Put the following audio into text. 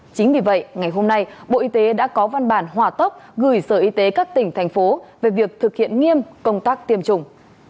chính vì vậy ngày hôm nay bộ y tế đã có văn bản hòa tốc gửi sở y tế các tỉnh thành phố về việc thực hiện nghiêm công tác tiêm chủng